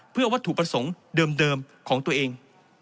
เพื่อวัตถุประสงค์เดิมของตัวเอง